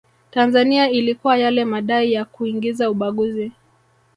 Tanzania ilikuwa yale madai ya kuingiza ubaguzi